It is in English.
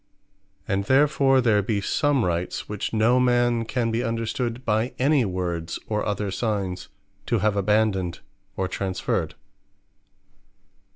And therefore there be some Rights, which no man can be understood by any words, or other signes, to have abandoned, or transferred.